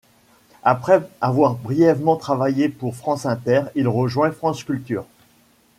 Après avoir brièvement travaillé pour France Inter, il rejoint France Culture.